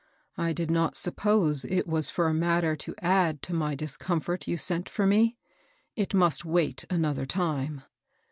I did not suppose it wa3 for a mat ter to add to my discomfort you sent for me. It must wait another lime."